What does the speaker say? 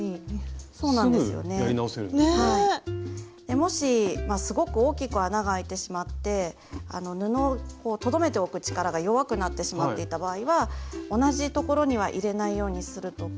もしすごく大きく穴が開いてしまって布をとどめておく力が弱くなってしまっていた場合は同じところには入れないようにするとか。